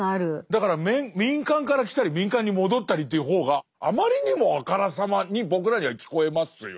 だから民間から来たり民間に戻ったりという方があまりにもあからさまに僕らには聞こえますよね。